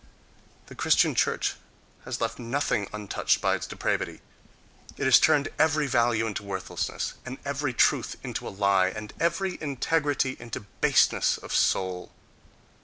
The Christian church has left nothing untouched by its depravity; it has turned every value into worthlessness, and every truth into a lie, and every integrity into baseness of soul.